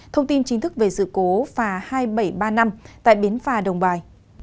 thông tin chính thức về sự cố phà hai nghìn bảy trăm ba mươi năm tại bến phà đồng bài